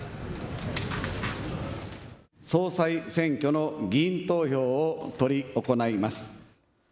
総裁選挙の議員投票を執り行います。